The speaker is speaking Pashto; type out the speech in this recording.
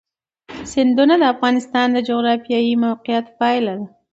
سیندونه د افغانستان د جغرافیایي موقیعت پایله ده.